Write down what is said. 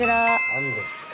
何ですか？